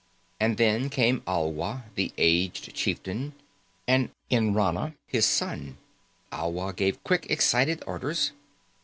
And then came Alwa, the aged chieftain, and Nrana, his son. Alwa gave quick, excited orders.